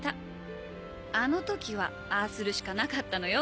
あのときはああするしかなかったのよ。